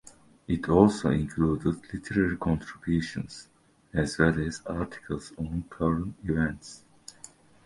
It also included literary contributions as well as articles on current events.